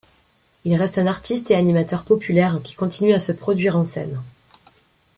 Il reste un artiste et animateur populaire qui continue à se produire en scène.